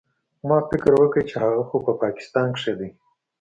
ما فکر وکړ چې هغه خو په پاکستان کښې دى.